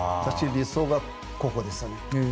理想がここですよね。